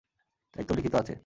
তাই তো লিখিত আছে।